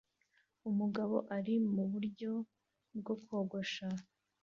Umugabo ari muburyo bwo kogosha